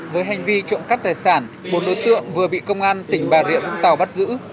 với hành vi trộm cắp tài sản bốn đối tượng vừa bị công an tỉnh bà rịa vũng tàu bắt giữ